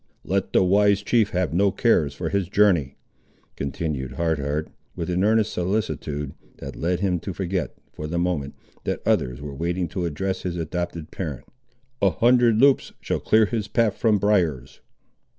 "Let the wise chief have no cares for his journey," continued Hard Heart with an earnest solicitude, that led him to forget, for the moment, that others were waiting to address his adopted parent; "a hundred Loups shall clear his path from briars."